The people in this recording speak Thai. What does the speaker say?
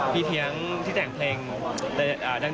พี่เทียงที่แต่งเพลง